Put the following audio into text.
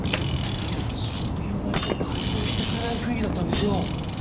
そう言わないと解放してくれない雰囲気だったんですよ。